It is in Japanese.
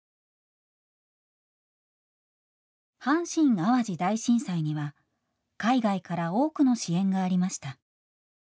阪神・淡路大震災には海外から多くの支援がありました。